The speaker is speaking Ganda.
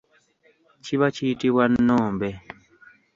Kiba kiyitibwa nnombe.